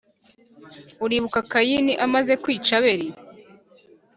uribuka kayini amaze kwica abeli